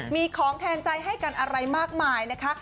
มีของแทนใจให้กันอะไรมากมายนะคะ